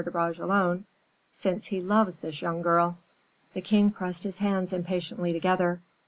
de Bragelonne, since he loves this young girl." The king pressed his hands impatiently together.